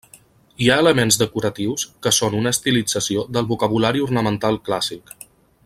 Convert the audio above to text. Hi ha elements decoratius que són una estilització del vocabulari ornamental clàssic.